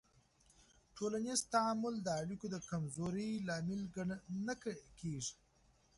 ټولنیز تعامل د اړیکو د کمزورۍ لامل نه کېږي.